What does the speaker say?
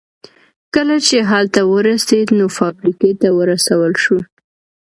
کله چې هلته ورسېد نو فابريکې ته ورسول شو.